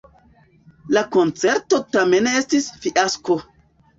La koncerto tamen estis fiasko.